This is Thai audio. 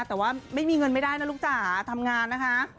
แต่ว่าไม่มีเงินไม่ได้นะลูกจ๋าทำงานนะคะ